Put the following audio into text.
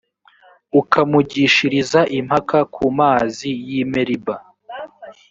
ukamugishiriza impaka ku mazi y’i meriba,